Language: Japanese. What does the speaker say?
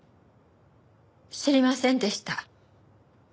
知りませんでした。